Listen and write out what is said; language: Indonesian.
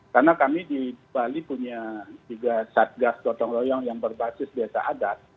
karena kami di bali punya tiga satgas kota loyong yang berbasis desa adat